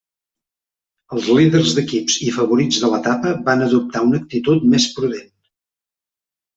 Els líders d'equips i favorits de l'etapa van adoptar una actitud més prudent.